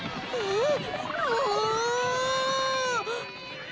えっ！？